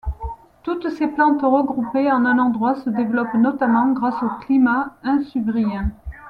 Toutes ces plantes regroupées en un endroit se développent notamment grâce au climat insubrien.